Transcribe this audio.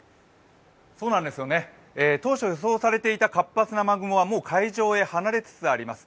当初予想されていた活発な雨雲はもう海上へ離れつつあります。